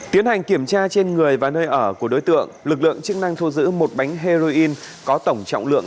tiến hành kiểm tra trên người và nơi ở của đối tượng lực lượng chức năng thu giữ một bánh heroin có tổng trọng lượng